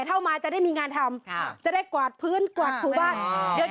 ต่อไปต้องมีท่าในการสั่งกาแฟ